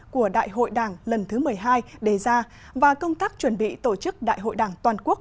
của đại hội đảng lần thứ một mươi hai đề ra và công tác chuẩn bị tổ chức đại hội đảng toàn quốc